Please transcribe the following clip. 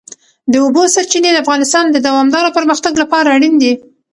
د اوبو سرچینې د افغانستان د دوامداره پرمختګ لپاره اړین دي.